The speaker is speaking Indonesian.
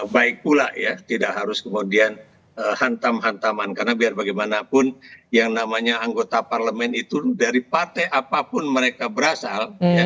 baik pula ya tidak harus kemudian hantam hantaman karena biar bagaimanapun yang namanya anggota parlemen itu dari partai apapun mereka berasal